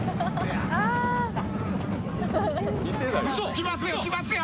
きますよ、きますよ。